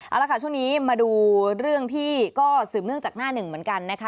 เอาละค่ะช่วงนี้มาดูเรื่องที่ก็สืบเนื่องจากหน้าหนึ่งเหมือนกันนะคะ